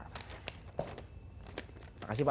terima kasih pak